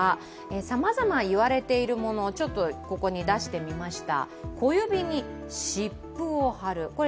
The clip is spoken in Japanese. さまざま言われているものを出してみました。